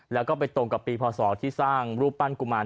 แล้วก็ไปตรงกับปีพศที่สร้างรูปปั้นกุมาร